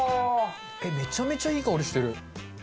めちゃめちゃいい香りしてる。